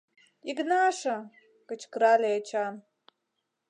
— Игнаша! — кычкырале Эчан.